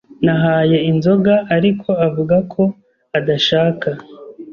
Nahaye inzoga, ariko avuga ko adashaka.